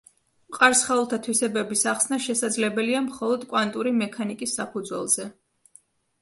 მყარ სხეულთა თვისებების ახსნა შესაძლებელია მხოლოდ კვანტური მექანიკის საფუძველზე.